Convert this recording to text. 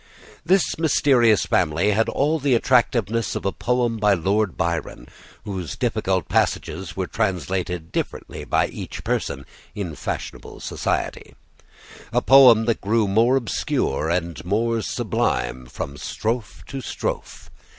This mysterious family had all the attractiveness of a poem by Lord Byron, whose difficult passages were translated differently by each person in fashionable society; a poem that grew more obscure and more sublime from strophe to strophe.